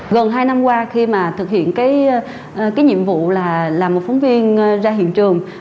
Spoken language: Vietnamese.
gần hai năm qua khi mà thực hiện cái nhiệm vụ là làm một phóng viên ra hiện trường